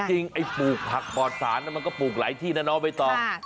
เอาจริงไอ้ปลูกผักปลอดสารมันก็ปลูกหลายที่นะเนาะเว้ยต้อง